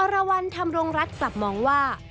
อรวรณธรรมรวรรษกลับมองว่า